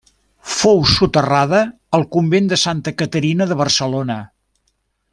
Fou soterrada al convent de Santa Caterina de Barcelona.